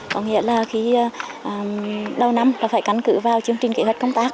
có nghĩa là khi đầu năm phải cắn cử vào chương trình kế hoạch công tác